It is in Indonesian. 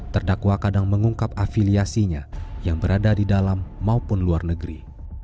terdakwa kadang mengungkap afiliasinya yang berada di dalam maupun luar negeri